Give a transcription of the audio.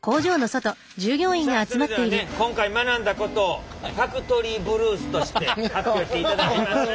さあそれではね今回学んだことをファクトリーブルースとして発表していただきます。